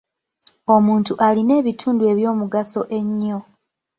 Omuntu alina ebitundu eby'omugaso ennyo.